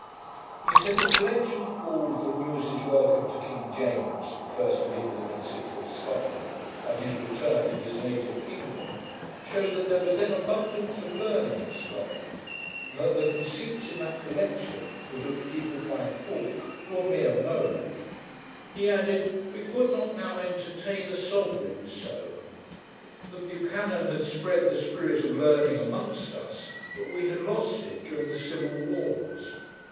He said, 'the collection called The Muses' Welcome to King James (first of England, and sixth of Scotland), on his return to his native kingdom, shewed that there was then abundance of learning in Scotland; and that the conceits in that collection, with which people find fault, were mere mode'. He added, 'we could not now entertain a sovereign so; that Buchanan had spread the spirit of learning amongst us, but we had lost it during the civil wars'.